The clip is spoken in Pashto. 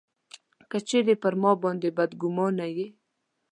که چېرې پر ما باندي بدګومانه یې.